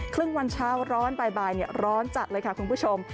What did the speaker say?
ครึ่งวันเช้าร้อนบ่ายร้อนจัดเลยค่ะคุณผู้ชม